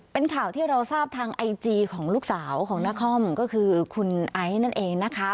เป็นข่าวที่เราทราบทางไอจีของลูกสาวของนครก็คือคุณไอซ์นั่นเองนะคะ